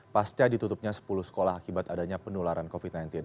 pasca ditutupnya sepuluh sekolah akibat adanya penularan covid sembilan belas